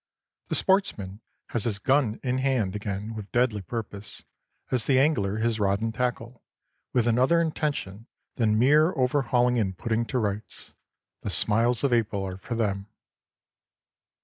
The sportsman has his gun in hand again with deadly purpose, as the angler his rod and tackle with another intention than mere overhauling and putting to rights. The smiles of April are for them.